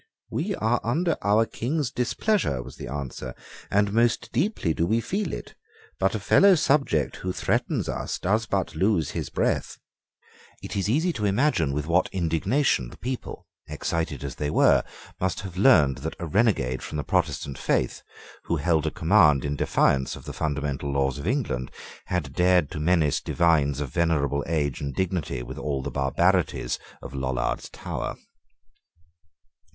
"We are under our King's displeasure," was the answer; "and most deeply do we feel it: but a fellow subject who threatens us does but lose his breath." It is easy to imagine with what indignation the people, excited as they were, must have learned that a renegade from the Protestant faith, who held a command in defiance of the fundamental laws of England, had dared to menace divines of venerable age and dignity with all the barbarities of Lollard's Tower.